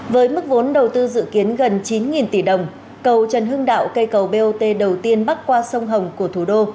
với mức vốn đầu tư dự kiến gần chín tỷ đồng cầu trần hưng đạo cây cầu bot đầu tiên bắc qua sông hồng của thủ đô